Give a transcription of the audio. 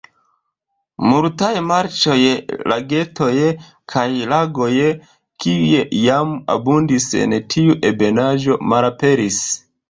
Multaj marĉoj, lagetoj kaj lagoj, kiuj iam abundis en tiu ebenaĵo, malaperis.